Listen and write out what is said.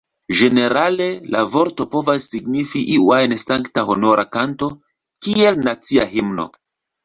Ĝenerale, la vorto povas signifi iu ajn sankta honora kanto, kiel nacia himno.